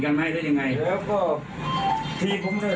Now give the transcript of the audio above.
มาให้ด้วยยังไง